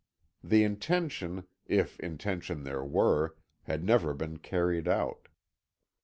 The intention, if intention there were, had never been carried out.